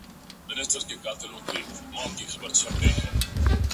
چي په كالو بانـدې زريـــن نه ســـمــه _